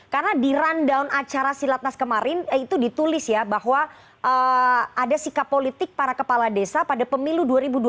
karena di rundown acara silatnas kemarin itu ditulis ya bahwa ada sikap politik para kepala desa pada pemilu dua ribu dua puluh empat